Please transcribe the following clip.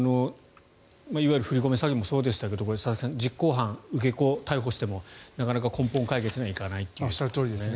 いわゆる振り込め詐欺もそうでしたけど佐々木さん、実行犯、受け子を逮捕してもなかなか根本解決にはいかないということですね。